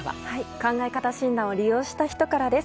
考え方診断を利用した人からです。